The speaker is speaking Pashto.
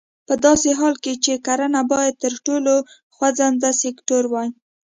په داسې حال کې چې کرنه باید تر ټولو خوځنده سکتور وای.